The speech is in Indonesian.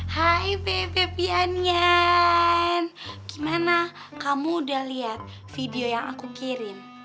hai bebe pianyan gimana kamu udah lihat video yang aku kirim